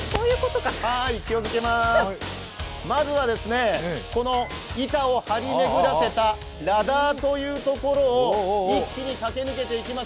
まずは、この板を張り巡らせたラダーというところ一気に駆け抜けていきます。